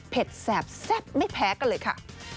แสบแซ่บไม่แพ้กันเลยค่ะ